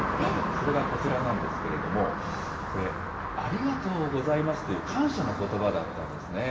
それがこちらなんですけれども、これ、ありがとうございますという感謝のことばだったんですね。